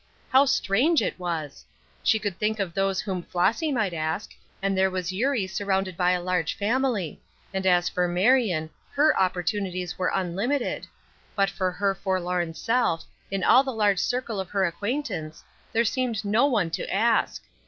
How strange it was! She could think of those whom Flossy might ask, and there was Eurie surrounded by a large family; and as for Marion, her opportunities were unlimited; but for her forlorn self, in all the large circle of her acquaintance, there seemed no one to ask.